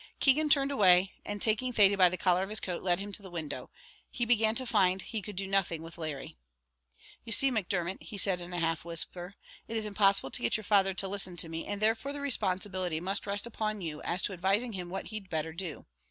Keegan turned away, and taking Thady by the collar of his coat, led him to the window; he began to find he could do nothing with Larry. "You see, Macdermot," he said in a half whisper, "it is impossible to get your father to listen to me; and therefore the responsibility must rest upon you as to advising him what he'd better do.